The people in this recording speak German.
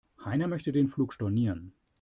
Heiner möchte den Flug stornieren.